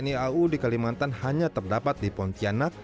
dan pangkalan udara besar milik tni au di kalimantan hanya terdapat di pontianak